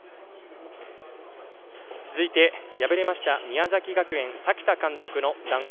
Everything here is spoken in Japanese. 続いて、敗れました宮崎学園、崎田監督の談話